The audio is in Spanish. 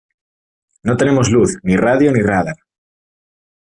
no tenemos luz, ni radio ni radar